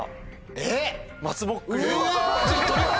えっ！